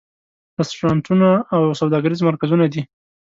رستورانتونه او سوداګریز مرکزونه دي.